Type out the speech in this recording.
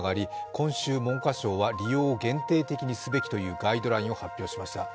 今週、文科省は利用を限定的にすべきというガイドラインを発表しました。